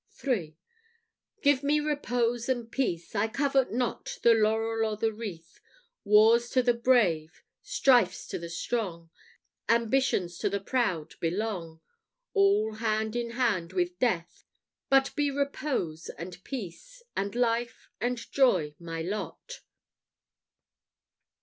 III. Give me repose and peace! I covet not The laurel or the wreath, Wars to the brave, strifes to the strong, Ambitions to the proud belong All hand in hand with death. But be repose, and peace, And life, and joy, my lot!